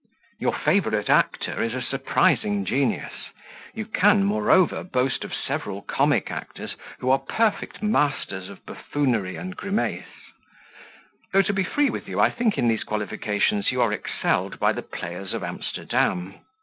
Your favourite actor is a surprising genius. You can, moreover, boast of several comic actors who are perfect masters of buffoonery and grimace; though, to be free with you, I think in these qualifications you are excelled by the players of Amsterdam.